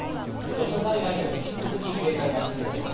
土砂災害には引き続き警戒が必要です。